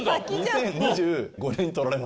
２０２５年に撮られます。